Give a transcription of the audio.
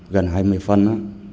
gần hai mươi phân á